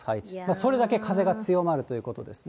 それだけ風が強まるということですね。